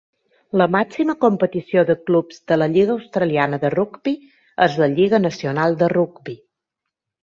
La màxima competició de clubs de la Lliga Australiana de Rugby és la lliga nacional de rugby.